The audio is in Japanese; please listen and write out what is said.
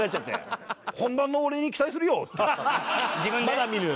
まだ見ぬ？